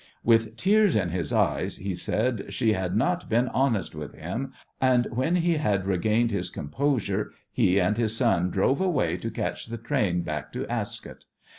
With tears in his eyes he said she had not been honest with him, and when he had regained his composure he and his son drove away to catch the train back to Ascot.